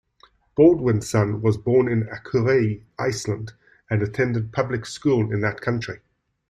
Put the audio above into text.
Baldwinson was born in Akureyri, Iceland, and attended public school in that country.